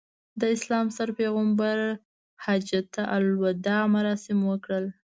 د اسلام ستر پیغمبر حجته الوداع مراسم وکړل.